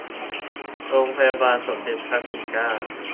โรงพยาบาลสมเด็จพระปิ่นเกล้า